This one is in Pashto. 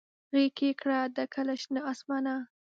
غیږ یې کړه ډکه له شنه اسمانه